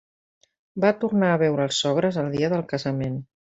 Va tornar a veure els sogres el dia del casament.